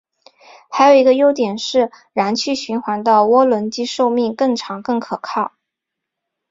还有一个优点是燃气循环的涡轮机寿命更长更可靠。